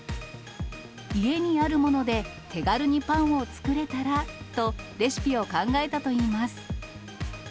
家にあるもので手軽にパンを作れたらと、レシピを考えたといいます。